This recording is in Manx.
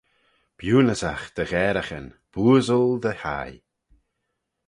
B'eunyssagh dty ghaaraghyn, b'ooasle dty hie!